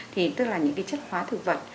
thì tức là những cái chất hóa thực vật